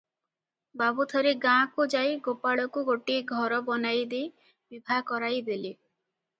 ବାବୁ ଥରେ ଗାଁ କୁ ଯାଇ ଗୋପାଳକୁ ଗୋଟିଏ ଘର ବନାଈ ଦେଇ ବିଭା କରାଇ ଦେଲେ ।